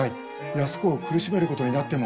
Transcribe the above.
安子を苦しめることになっても。